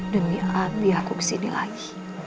demi hati aku kesini lagi